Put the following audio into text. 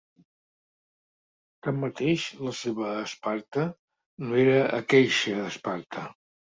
Tanmateix, "la seva" Esparta no era "aqueixa" Esparta.